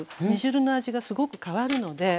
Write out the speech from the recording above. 煮汁の味がすごく変わるので。